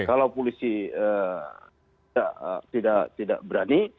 kalau polisi tidak berani